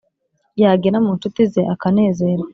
yagera mu ncuti ze akanezerwa.